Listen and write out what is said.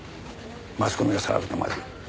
マスコミが騒ぐとまずい。